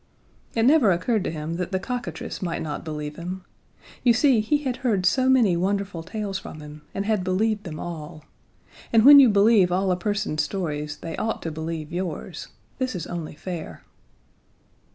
It never occurred to him that the cockatrice might not believe him. You see, he had heard so many wonderful tales from him and had believed them all and when you believe all a person's stories they ought to believe yours. This is only fair.